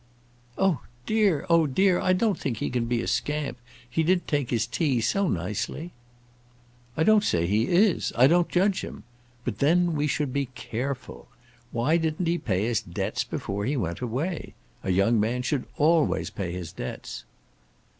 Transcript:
"Oh dear, oh dear! I don't think he can be a scamp; he did take his tea so nicely." "I don't say he is; I don't judge him. But then we should be careful. Why didn't he pay his debts before he went away? A young man should always pay his debts."